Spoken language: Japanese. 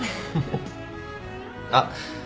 あっ。